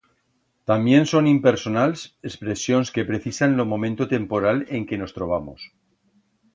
Tamién son impersonals expresions que precisan lo momento temporal en que nos trobamos.